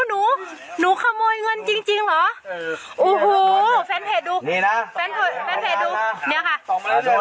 หนูขโมยเงินจริงจริงเหรอเออโอ้โหแฟนเพจดูนี่น่ะแฟนเพจแฟนเพจดู